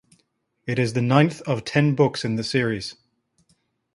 It is the ninth of ten books in the series.